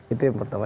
itu yang pertama